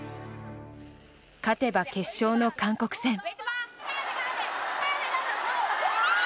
勝てば決勝の韓国戦。